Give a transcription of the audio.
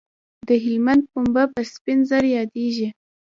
د هلمند پنبه په سپین زر یادیږي